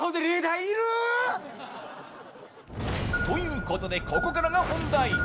ということでここからが本題。